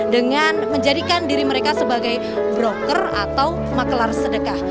dengan menjadikan diri mereka sebagai broker atau maklar sedekah